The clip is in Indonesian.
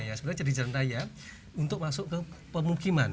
yang sebenarnya jadi jalan raya untuk masuk ke pemukiman